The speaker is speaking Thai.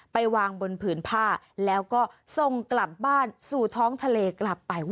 ไปวางบนผืนผ้าแล้วก็ส่งกลับบ้านสู่ท้องทะเลกลับไป